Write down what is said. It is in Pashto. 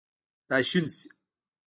راشین شي